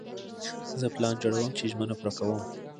زه پلان جوړوم چې ژمنه پوره کړم.